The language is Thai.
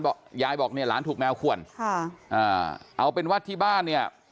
ยายบอกเนี่ยหลานถูกแมวขวนค่ะอ่าเอาเป็นว่าที่บ้านเนี่ย